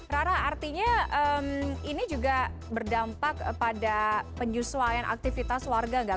rara artinya ini juga berdampak pada penyesuaian aktivitas warga nggak